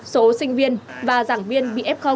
số sinh viên và giảng viên bf